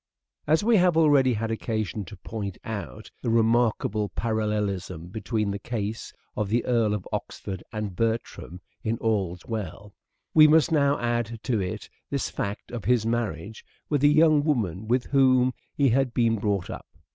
As we have already had occasion to point out the remarkable parallelism between the case of the Earl of Oxford and Bertram in " All's Well," we must now add to it this fact of his marriage with a young woman with whom he had been brought up.